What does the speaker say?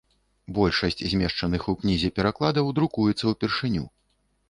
Большасць змешчаных у кнізе перакладаў друкуецца ўпершыню.